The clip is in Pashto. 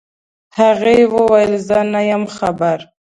هغې وويل زه نه يم خبر.